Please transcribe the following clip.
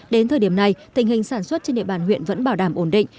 đến thời điểm này tình hình sản xuất trên địa bàn huyện vẫn bảo đảm ổn định